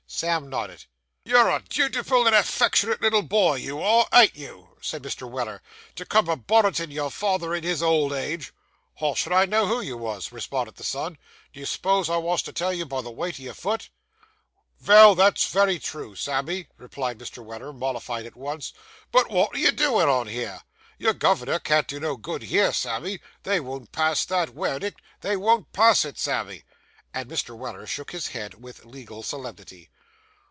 Sam nodded. 'You're a dutiful and affectionate little boy, you are, ain't you,' said Mr. Weller, 'to come a bonnetin' your father in his old age?' 'How should I know who you wos?' responded the son. 'Do you s'pose I wos to tell you by the weight o' your foot?' 'Vell, that's wery true, Sammy,' replied Mr. Weller, mollified at once; 'but wot are you a doin' on here? Your gov'nor can't do no good here, Sammy. They won't pass that werdick, they won't pass it, Sammy.' And Mr. Weller shook his head with legal solemnity.